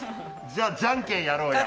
じゃあ、じゃんけんやろうや。